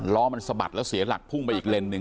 ล้อมันสะบัดแล้วเสียหลักพุ่งไปอีกเลนหนึ่ง